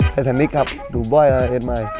ไททานิคครับดูบ่อยแล้วเอกมาย